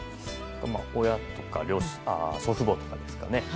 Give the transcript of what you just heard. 親とか祖父母とかですかね。